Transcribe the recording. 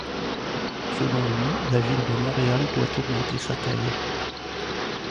Selon lui, la Ville de Montréal doit augmenter sa taille.